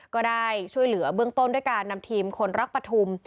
ก็ได้ช่วยเหลือเบื้องต้นด้วยการนำทีมคนรักปฐุม